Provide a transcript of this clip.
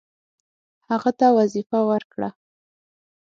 هغه ته وظیفه ورکړه.